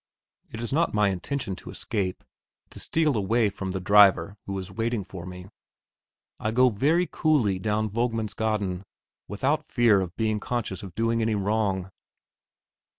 It is not my intention to escape, to steal away from the driver who is waiting for me. I go very coolly down Vognmansgaden, without fear of being conscious of doing any wrong.